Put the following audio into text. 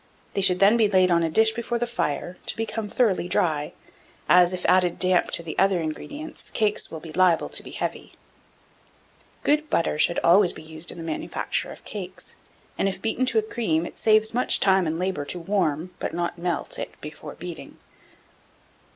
They should then be laid on a dish before the fire, to become thoroughly dry; as, if added damp to the other ingredients, cakes will be liable to be heavy. 1707. Good Butter should always be used in the manufacture of cakes; and if beaten to a cream, it saves much time and labour to warm, but not melt, it before beating.